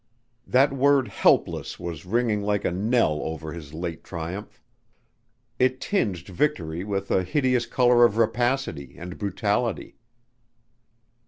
That word "helpless" was ringing like a knell over his late triumph. It tinged victory with a hideous color of rapacity and brutality.